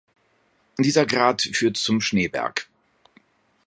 Dieser Grat führt zum Schneeberg.